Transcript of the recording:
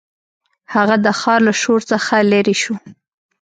هغه د ښار له شور څخه لیرې شو.